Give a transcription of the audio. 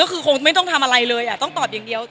ก็คือคงไม่ต้องทำอะไรเลยต้องตอบอย่างเดียว